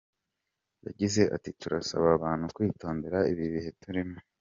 Yagize ati “Turasaba abantu kwitondera ibihe turimo .